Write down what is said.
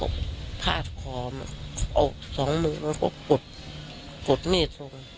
เอาสองมือกูกดดมิด